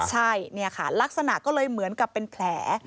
ใช่ลักษณะก็เลยเหมือนกับเป็นแผล